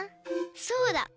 そうだ！